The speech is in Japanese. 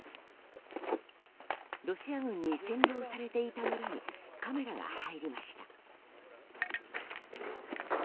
ロシア軍に占領されていた村にカメラが入りました。